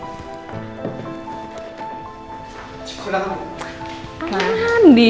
selamat malam din